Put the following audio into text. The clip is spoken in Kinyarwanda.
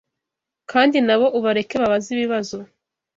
kandi nabo ubareke babaze ibibazo